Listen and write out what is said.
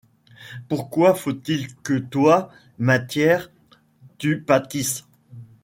Pourquoi faut-il que toi, matière, tu pâtisses !